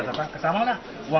tapi sama lah